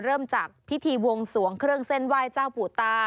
เริ่มจากพิธีวงสวงเครื่องเส้นไหว้เจ้าปู่ตา